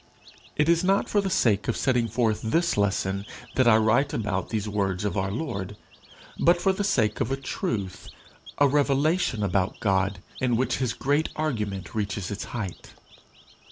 It is not for the sake of setting forth this lesson that I write about these words of our Lord, but for the sake of a truth, a revelation about God, in which his great argument reaches its height.